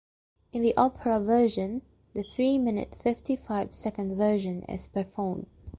In the Opera version, the three-minute fifty-five-second version is performed.